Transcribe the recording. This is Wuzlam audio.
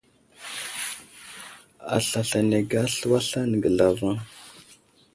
Aslasl anege a slu aslane ge zlavaŋ.